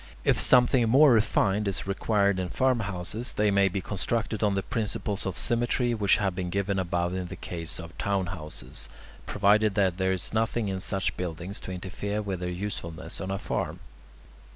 If something more refined is required in farmhouses, they may be constructed on the principles of symmetry which have been given above in the case of town houses, provided that there is nothing in such buildings to interfere with their usefulness on a farm.